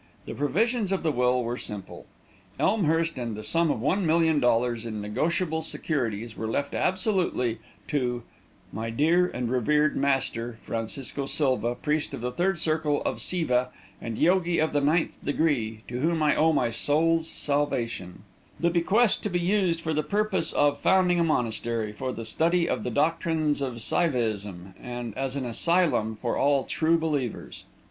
The provisions of the will were simple: Elmhurst and the sum of one million dollars in negotiable securities were left absolutely to "my dear and revered Master, Francisco Silva, Priest of the Third Circle of Siva, and Yogi of the Ninth Degree, to whom I owe my soul's salvation," the bequest to be used for the purpose of founding a monastery for the study of the doctrines of Saivaism, and as an asylum for all true believers.